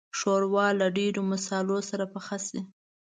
ښوروا له ډېرو مصالحو سره پخه شي.